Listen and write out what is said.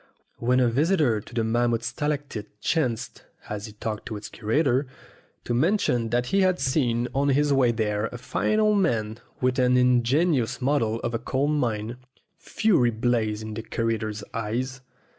When a visitor to the mammoth stalactite chanced, as he talked to its curator, to mention that he had seen on his way there a fine old man with an ingenious model of a coal mine, fury blazed in the curator's eyes.